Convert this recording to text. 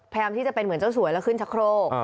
พยายามที่จะเป็นเหมือนเจ้าสวยแล้วขึ้นชะโครก